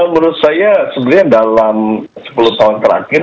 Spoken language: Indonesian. menurut saya sebenarnya dalam sepuluh tahun terakhir